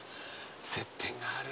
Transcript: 接点がある。